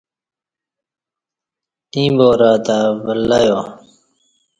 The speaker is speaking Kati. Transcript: ییں بارہ تہ ولہیا